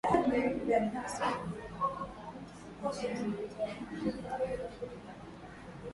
Obama alisimama kugombea katika Bunge La seneta La Marekani mwaka elfu mbili na nne